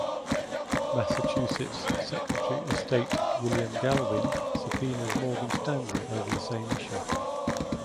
Massachusetts Secretary of State William Galvin subpoenaed Morgan Stanley over the same issue.